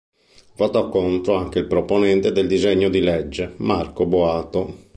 Votò contro anche il proponente del disegno di legge, Marco Boato.